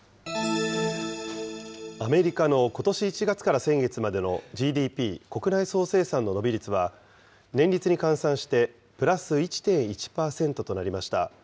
アメリカのことし１月から先月までのＧＤＰ・国内総生産の伸び率は、年率に換算してプラス１．１％となりました。